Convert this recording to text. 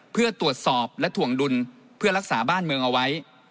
เพื่อตรวจสอบและถ่วงดุลเพื่อรักษาบ้านเมืองเอาไว้